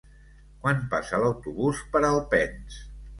Quan passa l'autobús per Alpens?